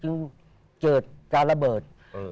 เกิดการระเบิด